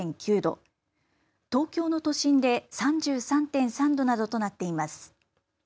東京の都心で３３．３度などとなっています。